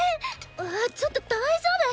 あちょっと大丈夫？